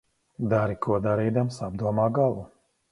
Dari ko darīdams, apdomā galu.